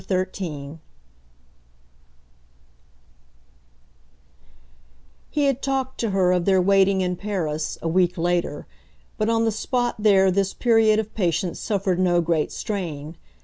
XIII He had talked to her of their waiting in Paris, a week later, but on the spot there this period of patience suffered no great strain.